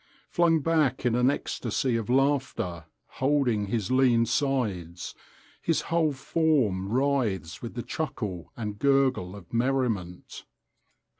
Flung back in an ecstasy of laughter, holding his lean sides, his whole form writhes with the chuckle and gurgle of merriment.